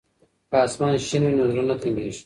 که اسمان شین وي نو زړه نه تنګیږي.